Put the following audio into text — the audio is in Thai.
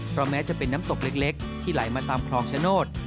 เพราะแม้จะเป็นน้ำตกเล็กที่ไหลมาตามคลองชโนธ